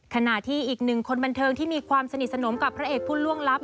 ขณะที่อีกหนึ่งคนบันเทิงที่มีความสนิทสนมกับพระเอกผู้ล่วงลับ